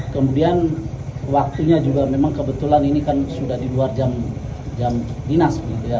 kemudian waktunya juga memang kebetulan ini kan sudah di luar jam dinas